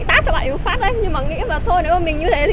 đây chúng mày chụp ảnh với nhau ôi bóp nhau đây ạ